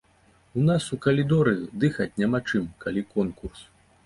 У нас у калідоры дыхаць няма чым, калі конкурс.